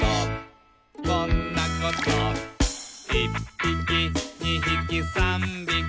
「こんなこと」「いっぴきにひきさんびき」